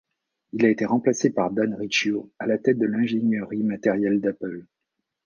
Il a été remplacé par Dan Riccio à la tête de l’ingénierie matérielle d’Apple.